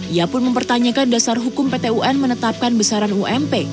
ia pun mempertanyakan dasar hukum pt un menetapkan besaran ump